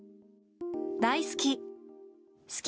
大好き。